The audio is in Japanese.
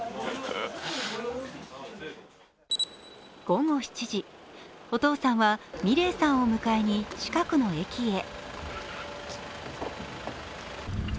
午後７時、お父さんは美礼さんを迎えに近くの駅へ。